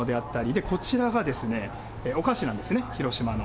で、こちらが、お菓子なんですね、広島の。